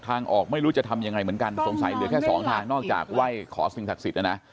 ทางออกไม่รู้จะทำยังไงเหมือนกันสงสัยเหลือแค่สองทางนอกจากไหว้ขอสิ่งศักดิ์สิทธิ์นะนะ